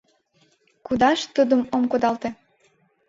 Кудаш тудым от кудалте